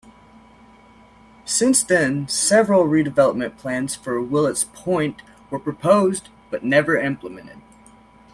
Since then, several redevelopment plans for Willets Point were proposed, but never implemented.